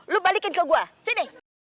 lu balikin ke gua sini